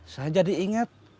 saya jadi inget